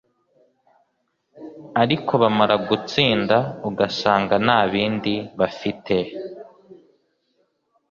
ariko bamara gutsinda ugasanga nta bindi bafite